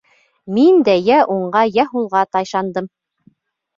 Мин дә йә уңға, йә һулға тайшандым.